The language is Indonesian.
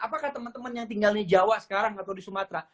apakah teman teman yang tinggalnya jawa sekarang atau di sumatera